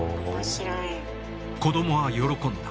子どもは喜んだ。